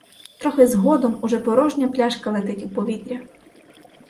Трохи згодом уже порожня пляшка летить у повітря.